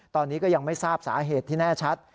ตอนนี้ก็ยังไม่ทราบสาเหตุที่แน่ชัด